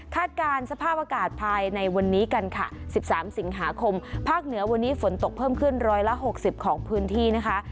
การสภาพอากาศภายในวันนี้กันค่ะ๑๓สิงหาคมภาคเหนือวันนี้ฝนตกเพิ่มขึ้น๑๖๐ของพื้นที่นะคะ